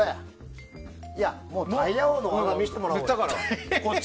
タイヤ王の技見せてもらおうよ。